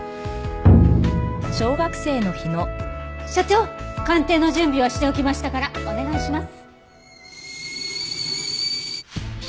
所長鑑定の準備はしておきましたからお願いします。